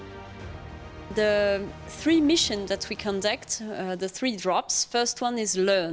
jadi kita terus belajar polusi plastik dalam perjalanan dengan ilmuwan